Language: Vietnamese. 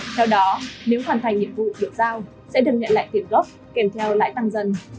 theo đó nếu hoàn thành nhiệm vụ được giao sẽ được nhận lại tiền gốc kèm theo lãi tăng dần